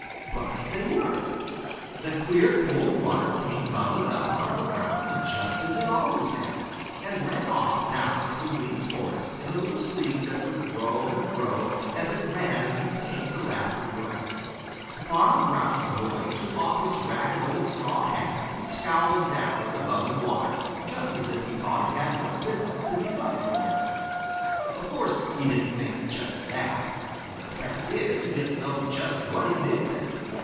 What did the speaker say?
But they were! The clear cold water came bubbling up out of the ground just as it always had, and ran off down into the Green Forest in a little stream that would grow and grow as it ran and become the Laughing Brook. Farmer Brown's boy took off his ragged old straw hat and scowled down at the bubbling water just as if he thought it had no business to be bubbling there. Of course, he didn't think just that. The fact is, he didn't know just what he did think.